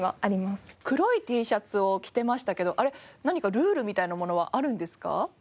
黒いＴシャツを着てましたけどあれ何かルールみたいなものはあるんですか？